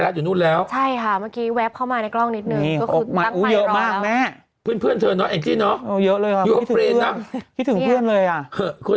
ฮู้นันนี้เมื่อกี้คือพี่อ้อมบันทึกไทยรัส